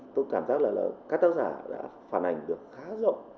tôi cảm giác là các tác giả đã phản ảnh được khá rộng